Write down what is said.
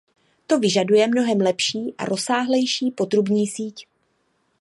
To vyžaduje mnohem lepší a rozsáhlejší potrubní síť.